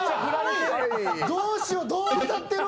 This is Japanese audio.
どうしようどう当たってる？